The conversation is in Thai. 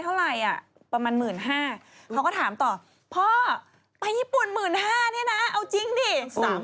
สดไมใหม่ให้เยอะไฮ